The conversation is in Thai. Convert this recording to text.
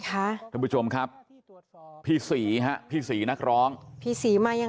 ท่านผู้ชมครับพี่ศรีฮะพี่ศรีนักร้องพี่ศรีมายัง